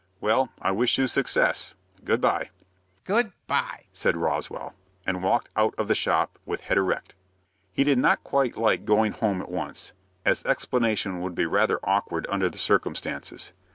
"Well, I wish you success. Good by." "Good by," said Roswell, and walked out of the shop with head erect. He did not quite like going home at once, as explanation would be rather awkward under the circumstances.